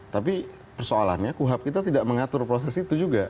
tapi persoalannya kuhap kita tidak mengatur proses itu juga